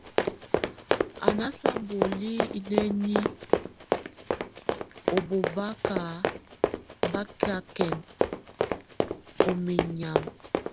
A nása bole ineni ɔ bóbaka bá kakɛn ɔ menyam.